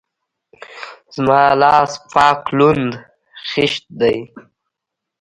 زما لاس پاک لوند خيشت ده.